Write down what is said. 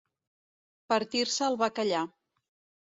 Partir-se el bacallà.